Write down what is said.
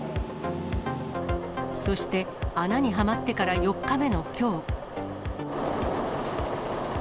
そして穴にはまってから４日目のきょう。